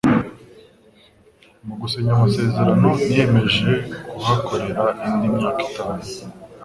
Mu gusinya amasezerano niyemeje kuhakorera indi myaka itanu